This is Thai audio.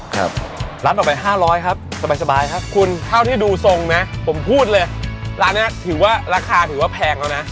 ๕๐๐ครับสบายครับคุณเท่าที่ดูทรงนะผมพูดเลยร้านนี้ถือว่าราคาถือว่าแพงแล้วนะ